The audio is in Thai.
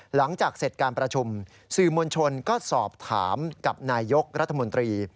หลังจากเสร็จการประชุมสื่อมวลชนก็สอบถามกับนายยกรัฐมนตรี